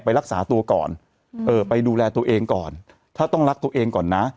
รักษาตัวก่อนเออไปดูแลตัวเองก่อนถ้าต้องรักตัวเองก่อนนะ